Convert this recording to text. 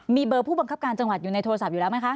มีเบอร์ผู้บังคับการจังหวัดอยู่ในโทรศัพท์อยู่แล้วไหมคะ